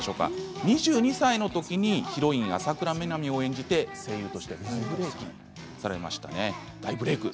２２歳の時にヒロイン浅倉南を演じて声優として大ブレークされましたね。